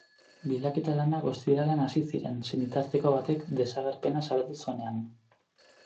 Bilaketa lanak ostiralean hasi ziren, senitarteko batek desagerpena salatu zuenean.